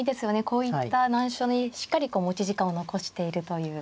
こういった難所にしっかり持ち時間を残しているという。